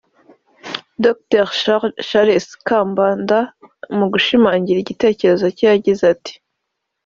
Dr Charles Kambanda mu gushimangira igitekerezo cye yagize ati